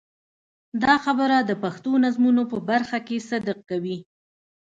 دا خبره د پښتو نظمونو په برخه کې صدق کوي.